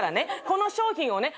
この商品をね